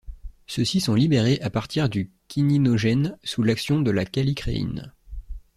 Ceux-ci sont libérés à partir du kininogène, sous l'action de la kallicréine.